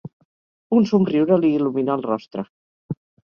Un somriure li il·luminà el rostre.